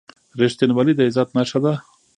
• رښتینولي د عزت نښه ده.